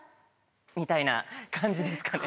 みたいな感じですかね。